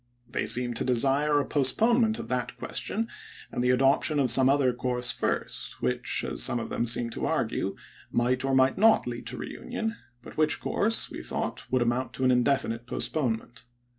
They seemed to desire a postponement of that question, and the adoption of some other course first, which, as some of them seemed to argue, might or might not lead to reunion ; but which course, we thought, would amount to an indefinite postponement.